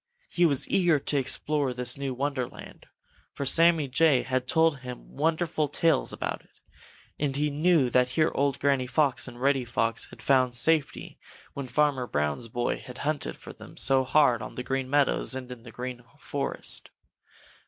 He was eager to explore this new wonderland, for Sammy Jay had told him wonderful tales about it, and he knew that here old Granny Fox and Reddy Fox had found safety when Farmer Brown's boy had hunted for them so hard on the Green Meadows and in the Green Forest.